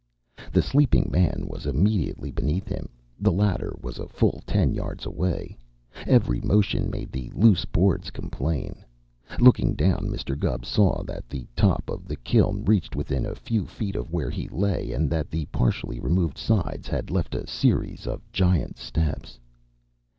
The sleeping man was immediately beneath him; the ladder was a full ten yards away; every motion made the loose boards complain. Looking down, Mr. Gubb saw that the top of the kiln reached within a few feet of where he lay, and that the partially removed sides had left a series of giant steps.